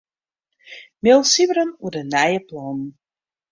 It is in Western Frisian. Mail Sybren oer de nije plannen.